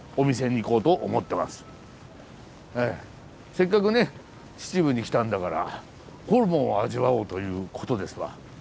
せっかくね秩父に来たんだからホルモンを味わおうということですわ。